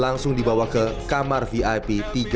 langsung dibawa ke kamar vip tiga ratus dua puluh tiga